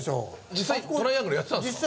実際トライアングルやってたんですか？